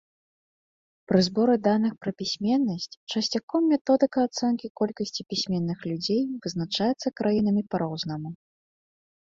Пры зборы даных пра пісьменнасць часцяком методыка ацэнкі колькасці пісьменных людзей вызначаецца краінамі па-рознаму.